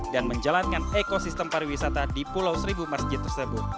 dan menjalankan ekosistem pariwisata di pulau seribu masjid tersebut